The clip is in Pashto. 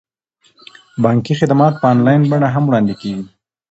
بانکي خدمات په انلاین بڼه هم وړاندې کیږي.